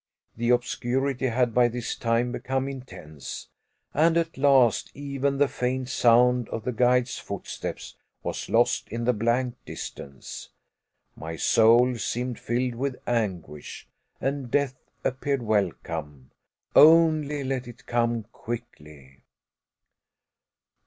The obscurity had by this time become intense, and at last even the faint sound of the guide's footsteps was lost in the blank distance. My soul seemed filled with anguish, and death appeared welcome, only let it come quickly.